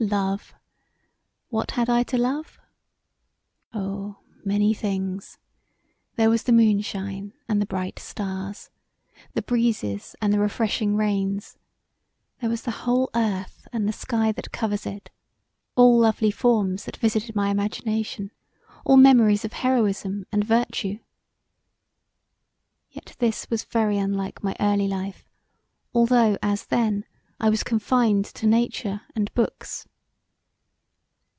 Love! What had I to love? Oh many things: there was the moonshine, and the bright stars; the breezes and the refreshing rains; there was the whole earth and the sky that covers it: all lovely forms that visited my imagination[,] all memories of heroism and virtue. Yet this was very unlike my early life although as then I was confined to Nature and books.